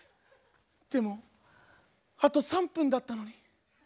でもあと３分だったのに。